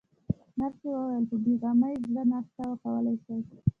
نرسې وویل: په بې غمه زړه ناشته کولای شئ.